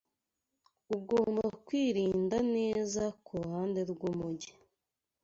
Ugomba kwirinda neza kuruhande rwumujyi.